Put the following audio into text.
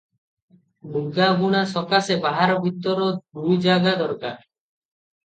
ଲୁଗାବୁଣା ସକାଶେ ବାହାର ଭିତର ଦୁଇ ଜାଗା ଦରକାର ।